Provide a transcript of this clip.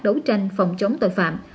đấu tranh phòng chống tội phạm